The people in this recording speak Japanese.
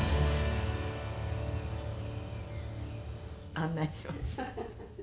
案内します。